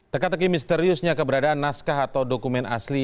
teka teki misteriusnya keberadaan naskah atau dokumen asli